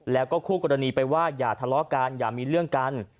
แล้วก็คู่กรณีไปว่าอย่าทะเลาะกันอย่ามีเรื่องกัน